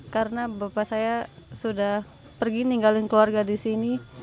karena bapak saya sudah pergi ninggalin keluarga di sini